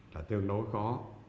là tương đối có